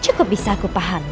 cukup bisa aku pahami